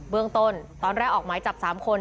เรื่องต้นตอนแรกออกหมายจับ๓คน